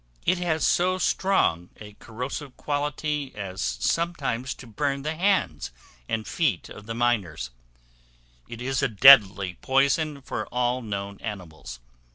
It has so strong a corrosive quality as sometimes to burn the hands and feet of the miners; it is a deadly poison for all known animals.